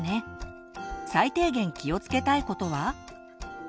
最低限気をつけたいことは？